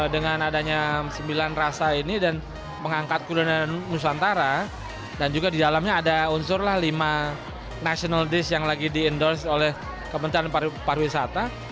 dengan adanya sembilan rasa ini dan mengangkat kuliner nusantara dan juga di dalamnya ada unsurlah lima national disk yang lagi di endorse oleh kementerian pariwisata